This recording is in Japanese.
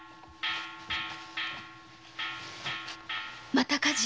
また火事？